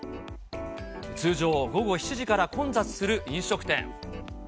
通常、午後７時から混雑する飲食店。